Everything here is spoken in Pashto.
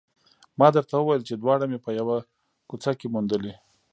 ما درته وویل چې دواړه مې په یوه کوڅه کې موندلي